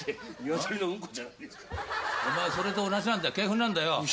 お前それと同じなんだよ。